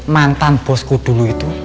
mantan bosku dulu itu